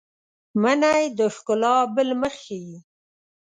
منی د ښکلا بل مخ ښيي